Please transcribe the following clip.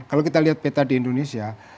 kalau kita lihat peta di indonesia